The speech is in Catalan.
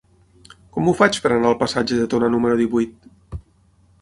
Com ho faig per anar al passatge de Tona número divuit?